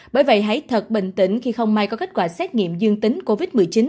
bởi vậy hãy thật bình tĩnh khi không may có kết quả xét nghiệm dương tính covid một mươi chín